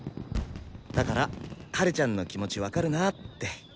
だからハルちゃんの気持ち分かるなって。